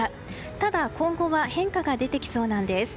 ただ、今後は変化が出てきそうなんです。